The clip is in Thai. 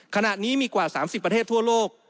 ขณะนี้มีกว่า๓๐ประเทศทั่วโลก